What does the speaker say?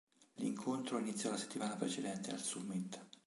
L'incontro iniziò la settimana precedente al summit.